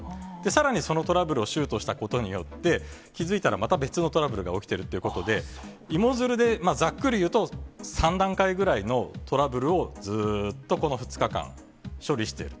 さらに、そのトラブルをシュートしたことによって、気付いたら、また別のトラブルが起きてるっていうことで、芋づるでざっくりいうと、３段階ぐらいのトラブルをずーっとこの２日間、処理してる。